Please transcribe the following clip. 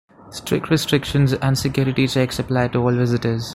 Strict restrictions and security checks apply to all visitors.